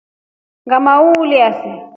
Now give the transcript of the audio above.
Ngʼama wliuya see.